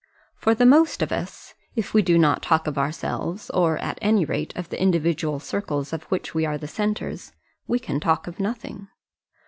For the most of us, if we do not talk of ourselves, or at any rate of the individual circles of which we are the centres, we can talk of nothing.